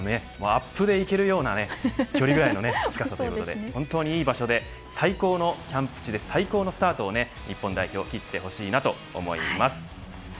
アップで行けるような距離ぐらいの近さということで本当にいい場所で最高のキャンプ地で最高のスタートを日本代表切ってほしいと思います。